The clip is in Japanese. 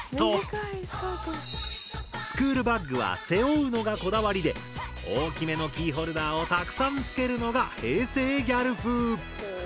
スクールバッグは背負うのがこだわりで大きめのキーホルダーをたくさん付けるのが平成ギャル風。